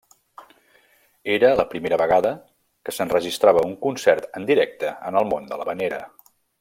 Era la primera vegada que s'enregistrava un concert en directe en el món de l'havanera.